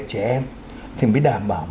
trẻ em thì mới đảm bảo